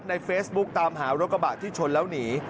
ในเฟซบุ๊กตามหารถกระบะที่ชนแล้วหนี